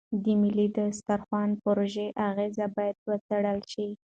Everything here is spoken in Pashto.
د ملي دسترخوان پروژې اغېز باید وڅېړل شي.